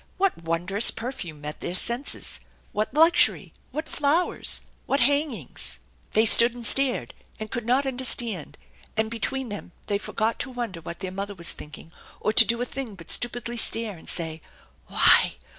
What wondrous perfume met their senses? What luxury! What flowers! What hangings! They stood and stared, and could not understand; and between them they forgot to wonder what their mother was thinking, or to do a thing but stupidly stare and say, " Why